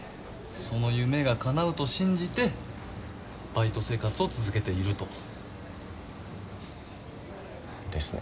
その夢が叶うと信じてバイト生活を続けていると。ですね。